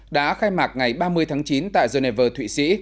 đã khai mạc ngày ba mươi tháng chín tại geneva thụy sĩ